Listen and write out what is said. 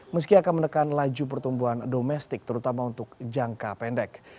meski akan menekan laju pertumbuhan domestik terutama untuk jangka pendek